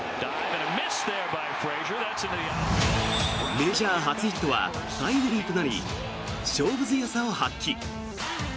メジャー初ヒットはタイムリーとなり勝負強さを発揮。